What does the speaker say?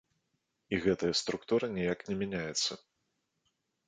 І гэтая структура ніяк не мяняецца.